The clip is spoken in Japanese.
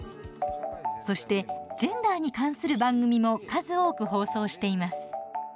そしてジェンダーに関する番組も数多く放送しています。